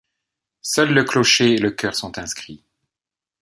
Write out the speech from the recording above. Seuls le clocher et le chœur sont inscrits.